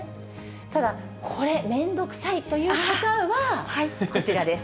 ただ、これ、めんどくさいという方は、こちらです。